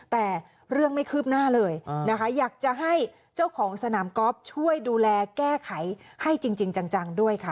แต่เรื่องไม่คืบหน้าเลยนะคะอยากจะให้เจ้าของสนามกอล์ฟช่วยดูแลแก้ไขให้จริงจังด้วยค่ะ